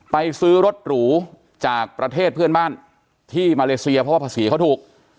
ไปซื้อรถหรูจากประเทศเพื่อนบ้านที่มาเลเซียเพราะว่าภาษีเขาถูก